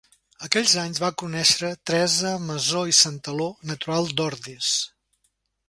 Aquells anys va conèixer Teresa Masó i Santaló, natural d'Ordis.